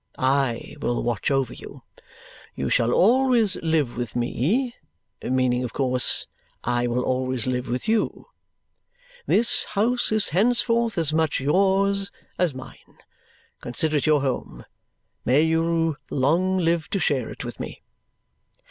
I will watch over you. You shall always live with me" meaning, of course, I will always live with you "this house is henceforth as much yours as mine; consider it your home. May you long live to share it with me!"